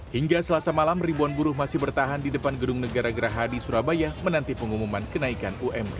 hingga selasa malam ribuan buruh masih bertahan di depan gedung negara geraha di surabaya menanti pengumuman kenaikan umk